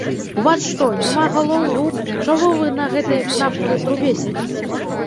У вас, што, няма галоў, рук, чаго вы на гэтай нафтавай трубе сядзіце?